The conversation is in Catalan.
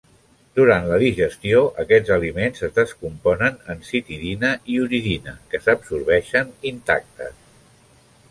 Durant la digestió aquests aliments es descomponen en citidina i uridina que s'absorbeixen intactes.